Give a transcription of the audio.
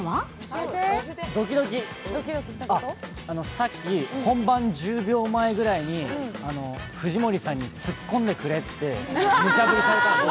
さっき、本番１０秒前ぐらいに藤森さんにつっこんでくれとむちゃぶりされたんです。